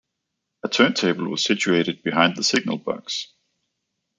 A turntable was situated behind the signal box.